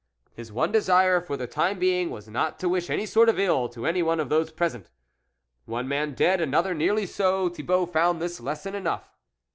His one desire for the time being was not to wish any sort of ill to anyone of those present. One man dead, another nearly so Thibault found this lesson enough.